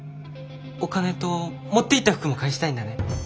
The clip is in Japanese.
お金と持っていった服も返したいんだね。